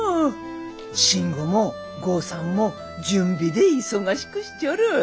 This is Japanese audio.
信吾も豪さんも準備で忙しくしちょる。